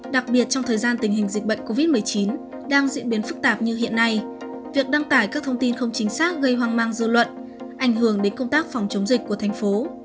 đặc biệt trong thời gian tình hình dịch bệnh covid một mươi chín đang diễn biến phức tạp như hiện nay việc đăng tải các thông tin không chính xác gây hoang mang dư luận ảnh hưởng đến công tác phòng chống dịch của thành phố